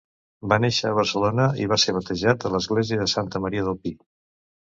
Va néixer a Barcelona i va ser batejat a l'església de Santa Maria del Pi.